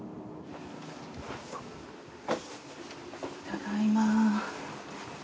ただいま。